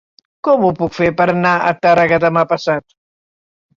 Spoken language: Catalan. Com ho puc fer per anar a Tàrrega demà passat?